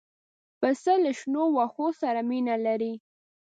پسه له شنو واښو سره مینه لري.